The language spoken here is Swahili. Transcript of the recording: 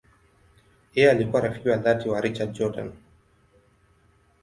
Yeye alikuwa rafiki wa dhati wa Richard Jordan.